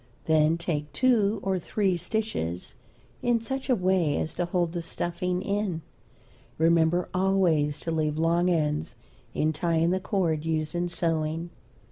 Then take two or three stitches in such a way as to hold the stuffing in. Remember always to leave long ends in tying the cord used in sewing.